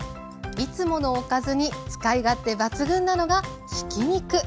いつものおかずに使い勝手抜群なのがひき肉。